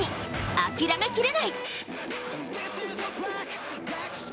諦めきれない。